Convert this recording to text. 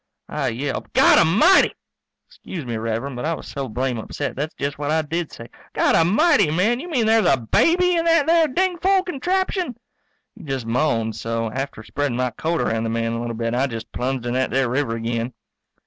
I yelped, "Godamighty!" 'Scuse me, Rev'rend, but I was so blame upset that's just what I did say, "Godamighty, man, you mean there's a baby in that there dingfol contraption?" He just moaned so after spreadin' my coat around the man a little bit I just plunged in that there river again.